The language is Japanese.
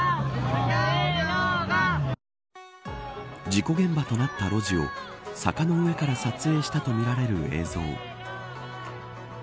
事故現場となった路地を坂の上から撮影したとみられる映像。